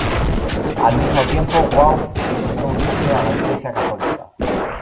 Al mismo tiempo, Waugh decidió unirse a la Iglesia católica.